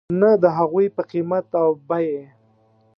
نه د هغوی په قیمت او بیې .